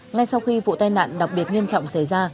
ngay sau khi vụ tên hạn đặc biệt nghiêm trọng xảy ra